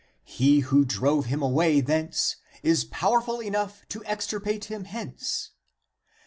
He who drove him away thence is powerful enough to extirpate him hence.